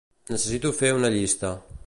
Necessito fer una llista.